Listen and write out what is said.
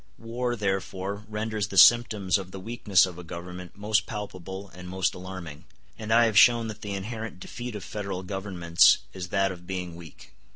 War therefore renders the symptoms of the weakness of a government most palpable and most alarming; and I have shown that the inherent defeat of federal governments is that of being weak.